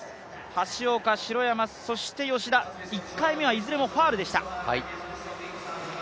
橋岡、城山、そして吉田１回目はいずれもファウルでした。